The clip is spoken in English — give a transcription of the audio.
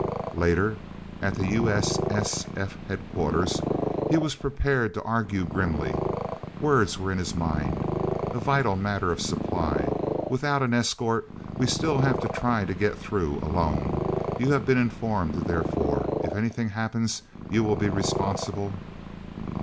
Later, at the U.S.S.F. headquarters, he was prepared to argue grimly. Words were in his mind: A vital matter of supply... Without an escort, we'll still have to try to get through, alone. You have been informed, therefore, if anything happens, you will be responsible...